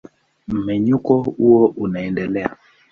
Mmenyuko huo unaendelea.